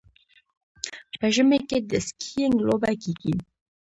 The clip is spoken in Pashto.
په ژمي کې د سکیینګ لوبه کیږي.